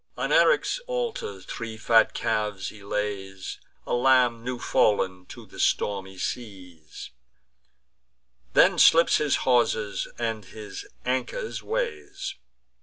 On Eryx's altars three fat calves he lays; A lamb new fallen to the stormy seas; Then slips his haulsers, and his anchors weighs.